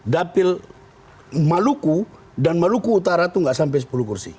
dapil maluku dan maluku utara itu nggak sampai sepuluh kursi